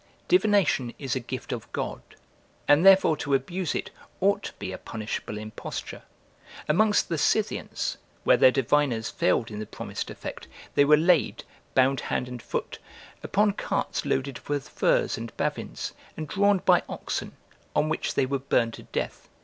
Divination is a gift of God, and therefore to abuse it, ought to be a punishable imposture. Amongst the Scythians, where their diviners failed in the promised effect, they were laid, bound hand and foot, upon carts loaded with firs and bavins, and drawn by oxen, on which they were burned to death.